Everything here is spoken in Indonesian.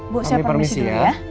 bu saya permisi dulu ya